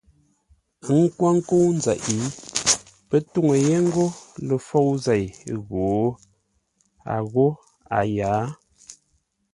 A kwo ńkə́u nzeʼ pə́ tuŋu yé ńgó ləfôu zei ghǒ, a ghó a yǎa.